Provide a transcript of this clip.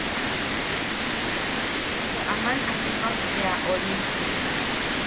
Into aman a chupak bea ori.